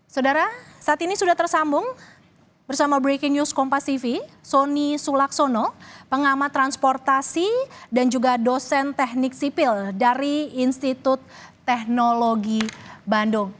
saudara saat ini sudah tersambung bersama breaking news compactv sonny sulaksono pengamat transportasi dan juga dosen teknik sipil dari institut teknologi bandung